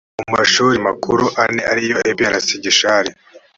mu mashuri makuru ane ariyo iprc gishari